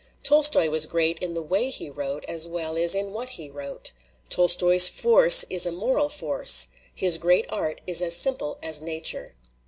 Tolstoy was great in the way he wrote as well as in what he wrote. Tolstoy's force is a moral force. His great art is as simple as nature."